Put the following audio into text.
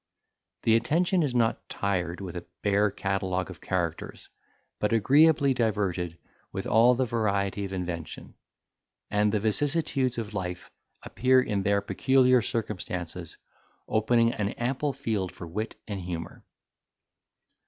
The attention is not tired with a bare catalogue of characters, but agreeably diverted with all the variety of invention; and the vicissitudes of life appear in their peculiar circumstances, opening an ample field for wit and humour.